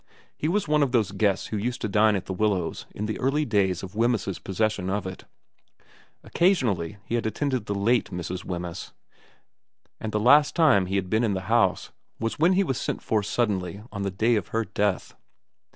He was one of those guests who used to dine at The Willows in the early days of Wemyss's possession of it. Occa sionally he had attended the late Mrs. Wemyss ; and the last time he had been in the house was when he was sent for suddenly on the day of her death.